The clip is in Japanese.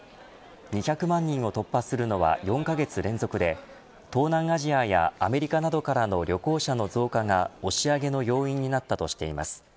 ２００万人を突破するのは４カ月連続で東南アジアやアメリカなどからの旅行者の増加が押し上げの要因になったとしています。